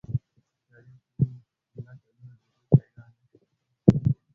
کريم اووه لکه نورې روپۍ پېدا نه شوى کړى .